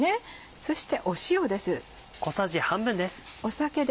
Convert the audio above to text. そして塩です。